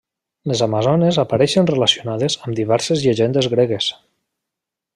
Les amazones apareixen relacionades amb diverses llegendes gregues.